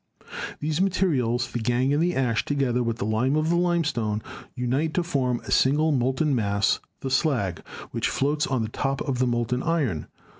These materials, the gangue and the ash together with the lime of the limestone, unite to form a single molten mass, the slag, which floats on top of the molten iron.